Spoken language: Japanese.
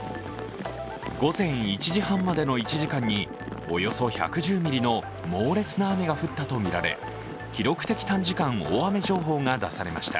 午前１時半までの１時間におよそ１１０ミリの猛烈な雨が降ったとみられ記録的短時間大雨情報が出されました。